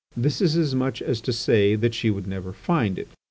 This is as much as to say that she would never find it.